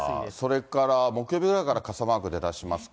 それから木曜日ぐらいから傘マーク出だしますか？